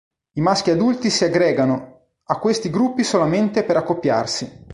I maschi adulti si aggregano a questi gruppi solamente per accoppiarsi.